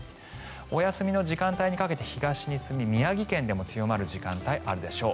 お休みの時間帯にかけて東に進み宮城県でも強まる時間帯があるでしょう。